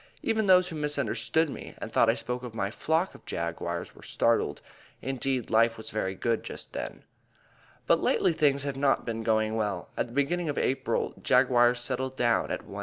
Even those who misunderstood me and thought I spoke of my "flock of Jaguars" were startled. Indeed life was very good just then. But lately things have not been going well. At the beginning of April Jaguars settled down at 1 1/16.